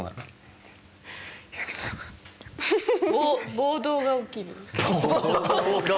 暴動が起きる？